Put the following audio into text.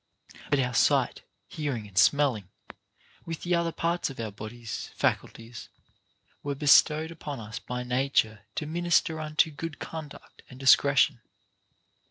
But our sight, hearing, and smelling, with the other parts of our bodies' faculties, were bestowed upon us by nature to minister unto good conduct and dis cretion.